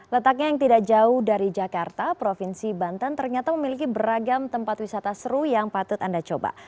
letaknya yang tidak jauh dari jakarta provinsi banten ternyata memiliki beragam tempat wisata seru yang patut anda coba